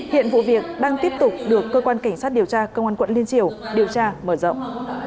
hiện vụ việc đang tiếp tục được cơ quan cảnh sát điều tra công an quận liên triều điều tra mở rộng